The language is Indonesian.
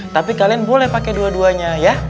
tapi kalian boleh pakai dua duanya ya